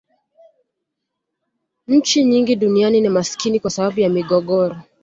nchi nyingi duniani ni maskini kwa sababu ya migogoro